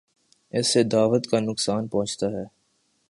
اس سے دعوت کو نقصان پہنچتا ہے۔